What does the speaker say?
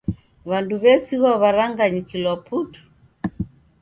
W'andu w'esighwa w'aranganyikilwa putu.